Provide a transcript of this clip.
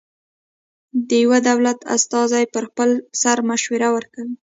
د یوه دولت استازی پر خپل سر مشوره ورکوي.